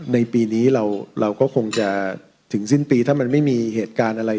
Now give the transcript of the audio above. ในปีนี้เราก็คงจะถึงสิ้นปีถ้ามันไม่มีเหตุการณ์อะไร